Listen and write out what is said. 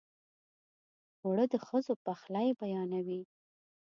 اوړه د ښځو پخلی بیانوي